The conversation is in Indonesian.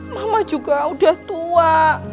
mama juga udah tua